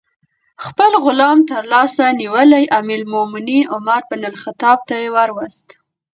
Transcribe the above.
خپل غلام ترلاس نیولی امیر المؤمنین عمر بن الخطاب ته وروست.